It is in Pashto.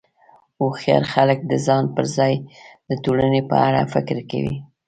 هوښیار خلک د ځان پر ځای د ټولنې په اړه فکر کوي.